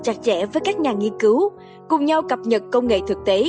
chặt chẽ với các nhà nghiên cứu cùng nhau cập nhật công nghệ thực tế